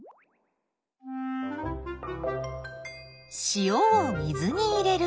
塩を水に入れると？